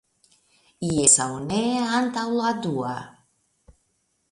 Jes aŭ ne antaŭ la dua.